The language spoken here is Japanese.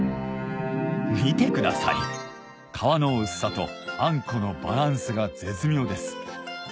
見てください皮の薄さとあんこのバランスが絶妙です